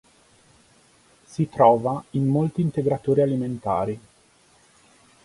Si trova in molti integratori alimentari.